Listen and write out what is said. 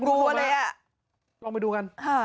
รู้อะไรอะลงไปดูกันห้า